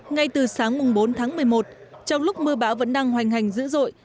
ngay từ sáng bốn tháng một mươi một trong lúc mưa bão vẫn đang hoành hành dữ dội